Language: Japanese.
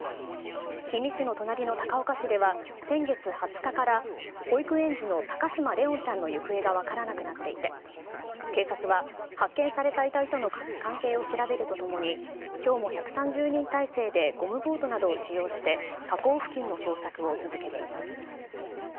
氷見市の隣の高岡市では先月２０日から、保育園児の高嶋怜音ちゃんの行方が分からなくなっていて、警察は発見された遺体との関係を調べるとともに、きょうも１３０人態勢でゴムボートなどを使用して、河口付近の捜索を続けています。